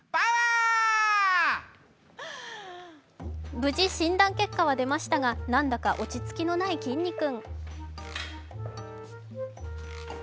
無事、診断結果は出ましたが、なんだか落ち着きのないきんに君。